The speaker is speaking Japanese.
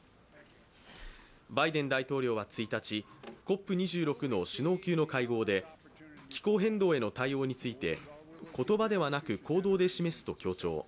バイデン大統領は１日、ＣＯＰ２６の首脳級の会合で気候変動への対応について言葉ではなく、行動で示すと強調。